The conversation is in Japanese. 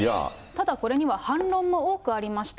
ただこれには反論が多くありました。